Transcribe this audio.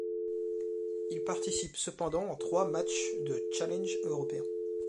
Il participe cependant à trois matches de Challenge européen.